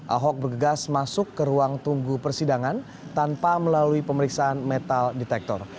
ahok bergegas masuk ke ruang tunggu persidangan tanpa melalui pemeriksaan metal detektor